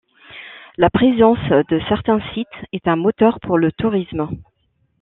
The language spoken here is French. La présence de certains sites est un moteur pour le tourisme.